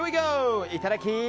いただき！